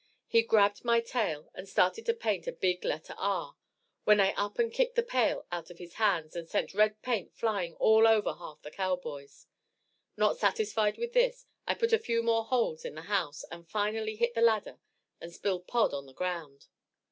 He grabbed my tail and started to paint a big letter R, when I up and kicked the pail out of his hands and sent red paint flying all over half the cowboys; not satisfied with this, I put a few more holes in the house, and finally hit the ladder and spilled Pod on the ground.